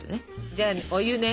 じゃあお湯ね。